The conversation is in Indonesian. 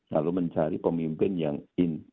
lalu mencari pemimpin yang in